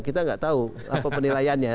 kita nggak tahu apa penilaiannya